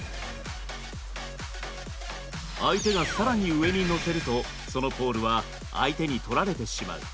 相手が更に上にのせるとそのポールは相手に取られてしまう。